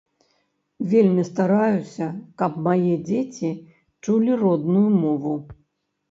Вельмі стараюся, каб мае дзеці чулі родную мову.